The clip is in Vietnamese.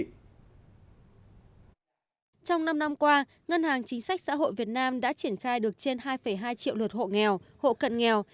trong năm năm qua ngân hàng chính sách xã hội việt nam đã triển khai được trên hai hai triệu lượt hộ nghèo hộ cận nghèo